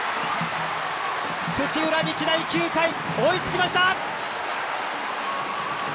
土浦日大、９回追いつきました！